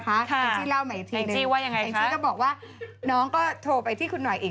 ค่ะแองจี่ว่าอย่างไรคะแองจี่บอกว่าน้องก็โทรไปที่คุณหน่อยอีก